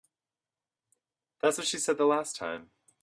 That's what she said the last time.